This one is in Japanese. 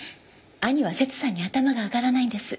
兄はセツさんに頭が上がらないんです。